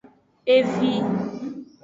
Evi.